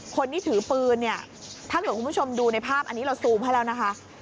คนที่ถือปืนเนี่ยถ้าเกิดคุณผู้ชมดูในภาพอันนี้เราซูมให้แล้วนะคะ